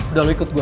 udah lu ikut gue